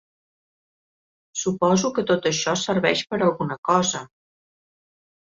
Suposo que tot això serveix per alguna cosa?